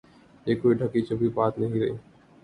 یہ کوئی ڈھکی چھپی بات نہیں رہی۔